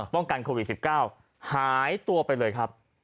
ป้องกันโควิด๑๙หายตัวไปเลยครับ